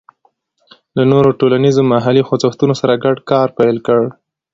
له نورو ټولنیزو محلي خوځښتونو سره ګډ کار پیل کړ.